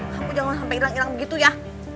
kamu jangan sampai ilang ilang begitu ya